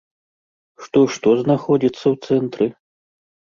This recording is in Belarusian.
Што, што знаходзіцца ў цэнтры?